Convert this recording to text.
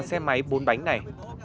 xe máy bốn bánh này